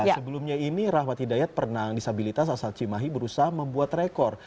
sebelumnya ini rahmat hidayat perenang disabilitas asal cimahi berusaha membuat rekor